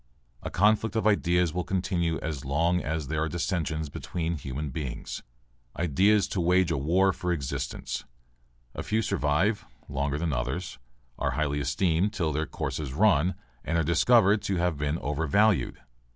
A conflict of ideas will continue as long as there are dissensions between human beings. Ideas to wage a war for existence. A few survive longer than others, are highly esteemed till their course is run and are discovered to have been overvalued.